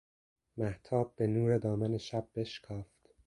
مهتاب به نور دامن شب بشکافت